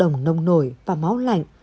bốc đồng nông nổi và máu lạnh